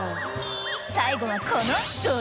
［最後はこの］